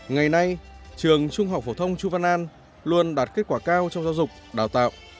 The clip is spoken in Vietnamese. ngày nay trường trung học phổ thông chu văn an luôn đạt kết quả cao trong giáo dục đào tạo